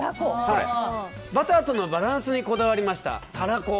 バターとのバランスにこだわりました、たらこ。